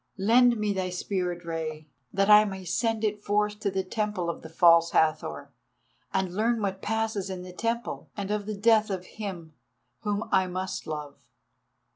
Lend me thy Spirit, Rei, that I may send it forth to the Temple of the False Hathor, and learn what passes in the temple, and of the death of him—whom I must love."